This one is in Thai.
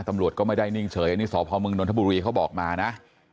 ตำรวจก็ไม่ได้นิ่งเฉยนี่สอบภาวเมืองนทบุรีเขาบอกมานะ